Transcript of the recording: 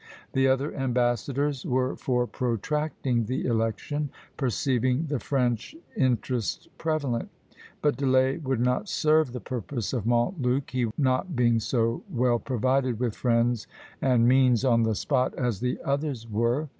The other ambassadors were for protracting the election, perceiving the French interest prevalent: but delay would not serve the purpose of Montluc, he not being so well provided with friends and means on the spot as the others were.